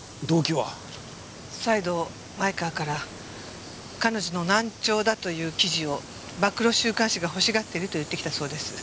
再度前川から彼女の難聴だという記事を暴露週刊誌が欲しがってると言ってきたそうです。